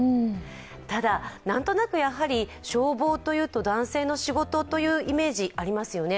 ただ、なんとなく消防というと男性の仕事というイメージ、ありますよね。